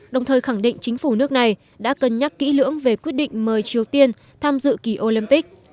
đồng thời khẳng định chính phủ nước này đã cân nhắc kỹ lưỡng về quyết định mời triều tiên tham dự kỳ olympic